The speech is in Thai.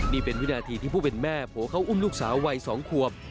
นี่เป็นวินาทีที่ผู้เป็นแม่โผล่เข้าอุ้มลูกสาววัย๒ควบ